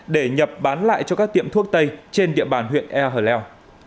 để nhập bán lại cho các tiệm thuốc tây trên địa bàn huyện ea hở leo